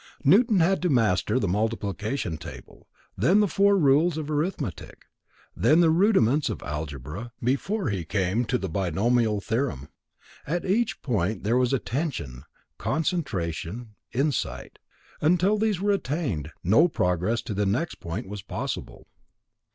Newton had to master the multiplication table, then the four rules of arithmetic, then the rudiments of algebra, before he came to the binomial theorem. At each point, there was attention, concentration, insight; until these were attained, no progress to the next point was possible.